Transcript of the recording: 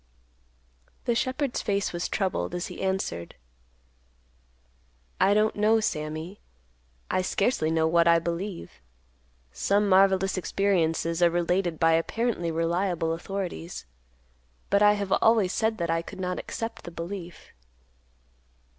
The shepherd's face was troubled, as he answered, "I don't know, Sammy. I scarcely know what I believe. Some marvelous experiences are related by apparently reliable authorities; but I have always said that I could not accept the belief.